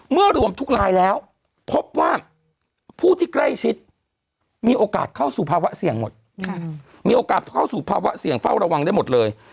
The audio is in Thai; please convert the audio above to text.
เมื่อรวมทุกรายแล้วพบว่าผู้ที่ใกล้ชิดมีโอกาสเข้าสู่ภาวะเสี่ยงหมด